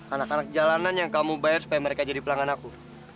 anak anak jalanan yang kamu bayar supaya mereka jadi pelanggan aku